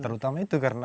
terutama itu karena